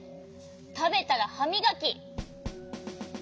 たべたらはみがき。